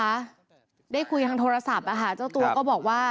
ถ้าคุยทางโทรศัพท์เจ้าตัวก็บอกว่า